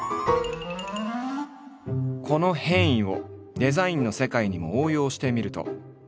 この変異をデザインの世界にも応用してみると。